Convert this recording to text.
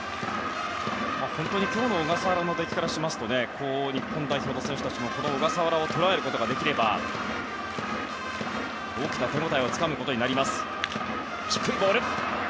本当に今日の小笠原の出来からすると日本代表の選手たちも小笠原を捉えることができれば大きな手応えをつかむことになります。